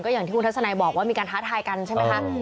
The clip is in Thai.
อย่างที่คุณทัศนัยบอกว่ามีการท้าทายกันใช่ไหมคะ